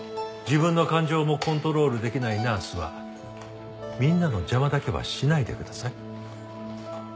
自分の感情もコントロールできないナースはみんなの邪魔だけはしないでください。